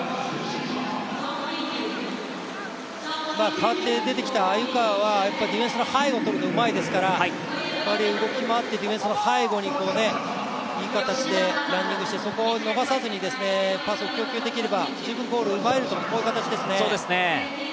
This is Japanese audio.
かわって出てきた鮎川はディフェンスの背後をとるのがうまいですから動き回ってディフェンスの背後にいい形でランニングして、そこを逃さずにパス供給できれば十分ゴールを奪えるという形ですね。